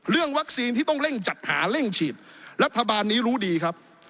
เรื่องวัคซีนที่ต้องเร่งจัดหาเร่งฉีดรัฐบาลนี้รู้ดีครับ